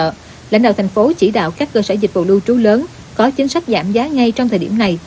trước đó lãnh đạo thành phố chỉ đạo các cơ sở dịch vụ lưu trú lớn có chính sách giảm giá ngay trong thời điểm này